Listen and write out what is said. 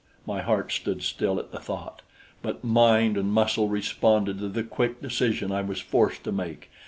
My heart stood still at the thought, but mind and muscle responded to the quick decision I was forced to make.